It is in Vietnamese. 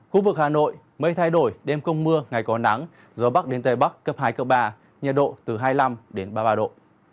khu vực hà nội mây thay đổi đêm không mưa ngày có nắng gió bắc đến tây bắc cấp hai cấp ba nhiệt độ từ hai mươi năm đến ba mươi ba độ